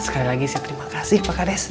sekali lagi saya terima kasih pak karya